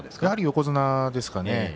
横綱ですね。